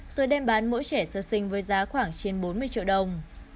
rồi đem bán mỗi trẻ sơ sinh với giá khoảng trên bốn mươi triệu đồng